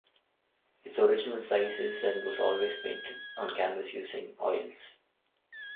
Its original size is and was painted on canvas using oils.